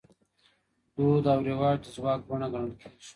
دود او رواج د ځواک بڼه ګڼل کیږي.